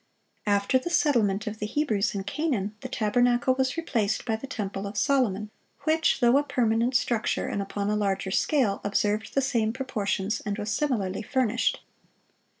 After the settlement of the Hebrews in Canaan, the tabernacle was replaced by the temple of Solomon, which, though a permanent structure and upon a larger scale, observed the same proportions, and was similarly furnished.